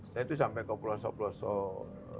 saya itu sampai ke pelosok pelosok